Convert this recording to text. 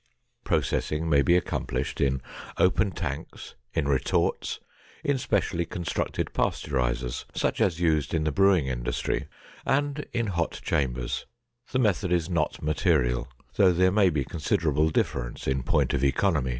Processing may be accomplished in open tanks, in retorts, in specially constructed pasteurizers, such as used in the brewing industry, and in hot chambers, the method is not material, though there may be considerable difference in point of economy.